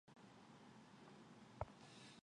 精河补血草为白花丹科补血草属下的一个种。